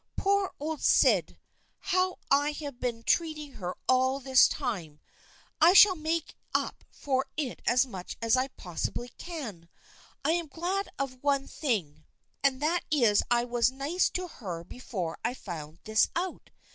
Poor old Syd ! How I have been treating her all this time ! I shall make up for it as much as I pos sibly can. I am glad of one thing, and that is that I was nice to her before I found this out.